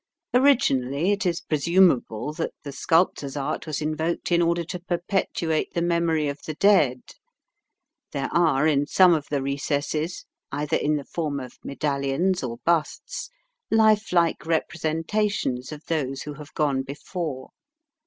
Originally, it is presumable that the sculptor's art was invoked in order to perpetuate the memory of the dead. There are in some of the recesses, either in the form of medallions or busts, life like representations of those who have gone before.